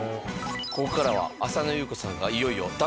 ここからは浅野ゆう子さんがいよいよダフニ初挑戦。